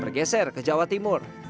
bergeser ke jawa timur